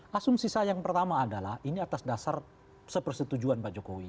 asumsi saya yang pertama adalah ini atas dasar sepersetujuan pak jokowi